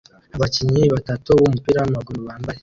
Abakinnyi batatu bumupira wamaguru bambaye